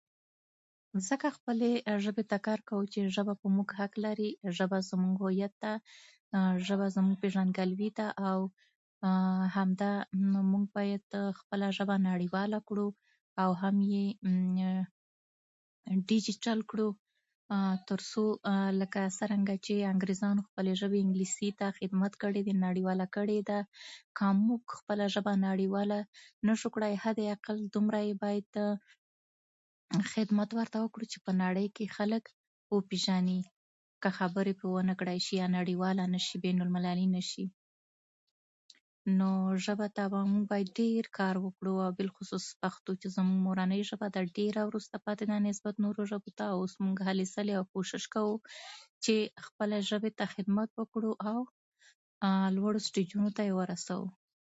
ځکه خپلې ژبې ته کار کوو چې ژبه په موږ حق لري. ژبه زموږ هویت ده، ژبه زموږ پېژندګلوي ده، او همدا موږ باید خپله ژبه نړیواله کړو او هم یې ډیجیټل کړو، تر څو لکه څنګه چې انګریزانو خپلې ژبې، انګلیسي، ته خدمت کړی دی، نړیواله کړې یې ده. که موږ خپله ژبه نړیواله نه شو کړای، حداقل دومره یې باید خدمت ورته وکړو چې په نړۍ کې خلک وپېژني. که خبرې پرې ونه کړای شي یا نړیواله نه شي، بین المللي نه شي، نو ژبې ته به موږ باید ډېر کار وکړو. او بالخصوص پښتو چې زموږ مورنۍ ژبه ده، ډېره وروسته پاتې ده نسبت نورو ژبو ته. اوس موږ هلې ځلې او کوشش کوو چې خپلې ژبې ته خدمت وکړو او لوړو سټېجونو ته یې ورسوو.